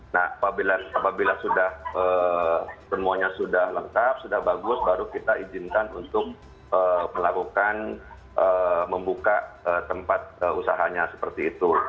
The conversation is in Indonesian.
nah apabila semuanya sudah lengkap sudah bagus baru kita izinkan untuk melakukan membuka tempat usahanya seperti itu